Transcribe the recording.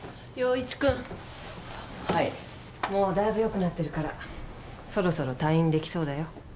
もうだいぶ良くなってるからそろそろ退院できそうだよ。